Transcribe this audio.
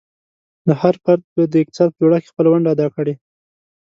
هر فرد باید د اقتصاد په جوړښت کې خپله ونډه ادا کړي.